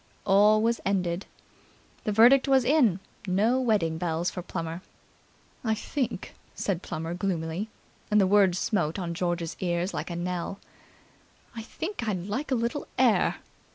All was ended. The verdict was in. No wedding bells for Plummer. "I think," said Plummer gloomily, and the words smote on George's ear like a knell, "I think I'd like a little air."